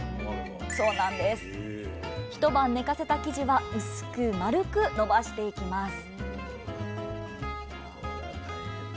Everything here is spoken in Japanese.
一晩寝かせた生地は薄く丸く延ばしていきます